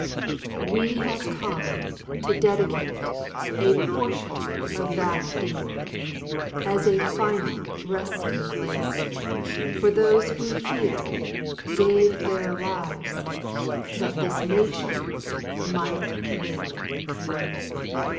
We have come to dedicate a portion of that field as a final resting place for those who here gave their lives that this nation might live.